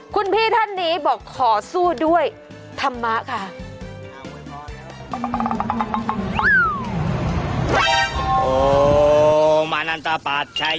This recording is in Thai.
คุณพี่ท่านนี้บอกขอสู้ด้วยธรรมะค่ะ